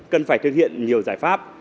cần phải thực hiện nhiều giải pháp